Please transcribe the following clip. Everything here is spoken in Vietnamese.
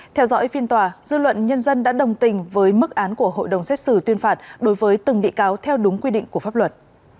theo dõi phiên tòa dư luận nhân dân đã đồng tình với mức án của hội đồng xét xử tuyên phạt đối với từng bị cáo theo đúng quy định của pháp luật